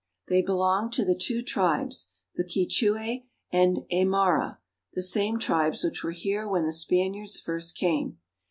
They belong to the two tribes, the Quichua (ke choo'a) and Aymara (i ma ra^), the same tribes which were here when the Spaniards first came.